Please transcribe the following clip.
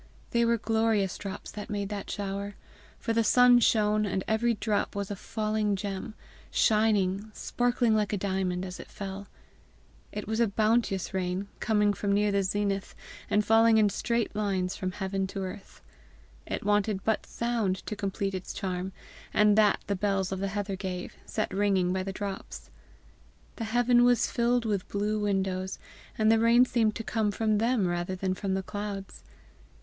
They were glorious drops that made that shower; for the sun shone, and every drop was a falling gem, shining, sparkling like a diamond, as it fell. It was a bounteous rain, coming from near the zenith, and falling in straight lines direct from heaven to earth. It wanted but sound to complete its charm, and that the bells of the heather gave, set ringing by the drops. The heaven was filled with blue windows, and the rain seemed to come from them rather than from the clouds.